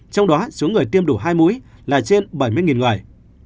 trong đó số người tiêm đủ hai mũi là trên bảy mươi người